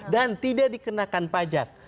dan tidak dikenakan pajak